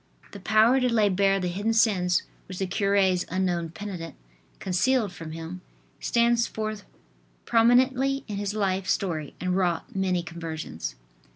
"" The power to lay bare the hidden sins which the cure's unknown penitent concealed from him, stands forth prominently in his life story and wrought many conversions.